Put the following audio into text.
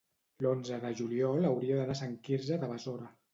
l'onze de juliol hauria d'anar a Sant Quirze de Besora.